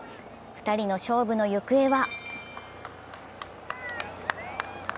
２人の勝負の行方は？